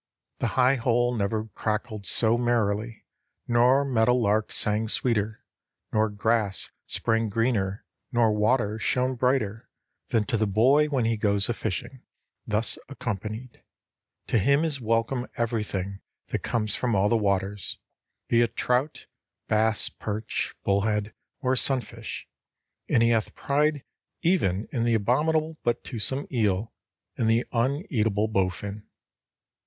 The high hole never cackled so merrily, nor meadow lark sang sweeter, nor grass sprang greener nor water shone brighter than to the boy when he goes a fishing thus accompanied. To him is welcome everything that comes from the waters, be it trout, bass, perch, bullhead, or sunfish, and he hath pride even in the abominable but toothsome eel and the uneatable bowfin.